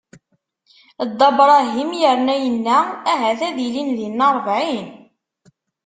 Dda Bṛahim yerna yenna: Ahat ad ilin dinna ṛebɛin?